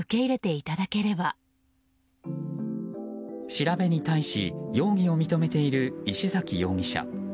調べに対し、容疑を認めている石崎容疑者。